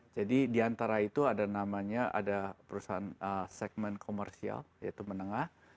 diantara itu ada namanya ada perusahaan segmen komersial yaitu menengah